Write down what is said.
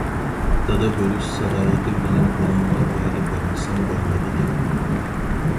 دادا بولۇش سالاھىيىتىم بىلەن بۇنىڭغا ۋەدە بەرمىسەم بولمايدىكەن.